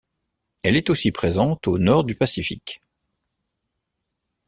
Elle est aussi présente au nord du Pacifique.